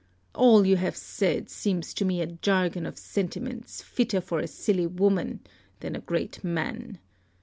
All you have said seems to me a jargon of sentiments fitter for a silly woman than a great man.